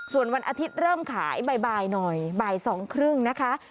ส่วนวันอาทิตย์เริ่มขายบ่ายหน่อยบ่าย๒๓๐นะคะ